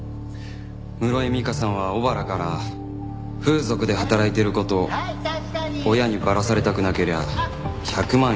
室井実花さんは尾原から風俗で働いてる事親にバラされたくなけりゃ１００万